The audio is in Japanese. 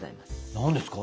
何ですか？